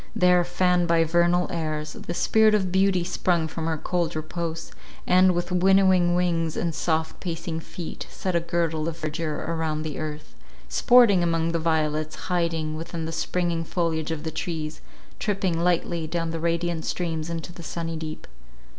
There, fanned by vernal airs, the Spirit of Beauty sprung from her cold repose; and, with winnowing wings and soft pacing feet, set a girdle of verdure around the earth, sporting among the violets, hiding within the springing foliage of the trees, tripping lightly down the radiant streams into the sunny deep.